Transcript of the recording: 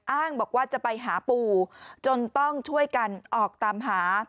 อ้างบอกว่าจะไปหาปู่จนต้องช่วยกันออกตามหา